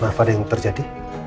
apa ada yang terjadi